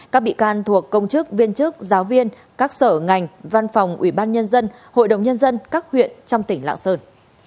các bị can thuộc công chức viên chức giáo viên các sở ngành văn phòng ủy ban nhân dân hội đồng nhân dân các huyện trong tỉnh lạng sơn